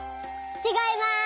ちがいます。